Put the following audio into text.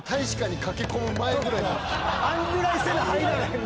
あんぐらいせな入られへん。